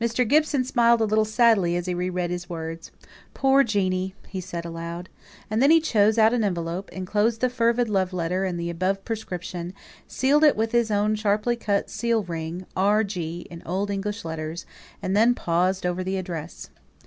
Gibson smiled a little sadly as he re read his words. "Poor Jeanie," he said aloud. And then he chose out an envelope, enclosed the fervid love letter, and the above prescription; sealed it with his own sharply cut seal ring, R. G., in old English letters, and then paused over the address.